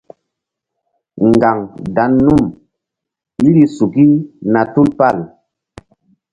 Ŋgaŋ dan num iri suki na tupal.